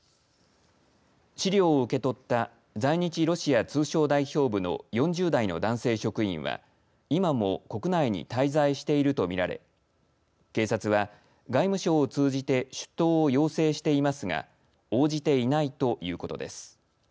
資料を受け取った在日ロシア通商代表部の４０代の男性職員は今も国内に滞在しているとみられ警察は外務省を通じて出頭を要請していますが応じていないということです。